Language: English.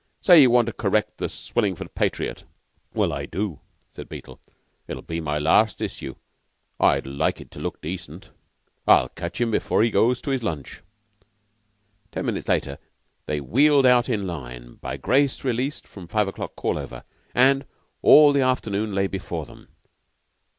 Say you want to correct the 'Swillingford Patriot.'" "Well, I do," said Beetle. "It'll be my last issue, and I'd like it to look decent. I'll catch him before he goes to his lunch." Ten minutes later they wheeled out in line, by grace released from five o'clock call over, and all the afternoon lay before them.